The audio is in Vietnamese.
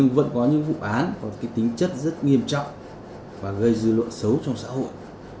vẫn có những vụ án có tính chất rất nghiêm trọng và gây dư luận xấu trong xã hội